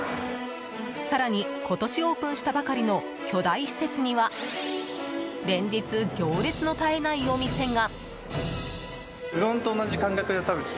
更に、今年オープンしたばかりの巨大施設には連日、行列の絶えないお店が。